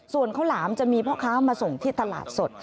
ส่วนข้าวหลามจะมีพ่อค้ามาส่งที่ตลาดสด